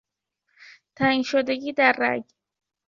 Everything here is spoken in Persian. تنگ شدگی در رگ